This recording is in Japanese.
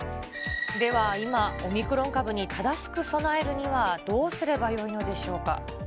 では、今、オミクロン株に正しく備えるにはどうすればよいのでしょうか。